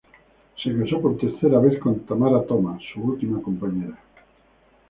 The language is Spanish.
Se casó por tercera vez con Tamara Toma, su última compañera.